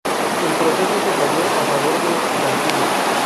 El proceso se falló a favor de Campillo.